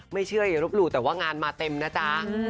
ไม่เชื่ออย่าลบหลู่แต่ว่างานมาเต็มนะจ๊ะ